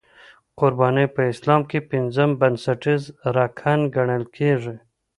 قرباني په اسلام کې پنځم بنسټیز رکن ګڼل کېږي.